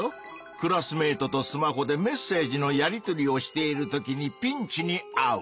クラスメートとスマホでメッセージのやりとりをしているときにピンチにあう！